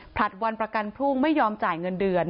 ผลัดวันประกันพรุ่งไม่ยอมจ่ายเงินเดือน